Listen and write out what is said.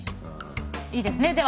いいですね？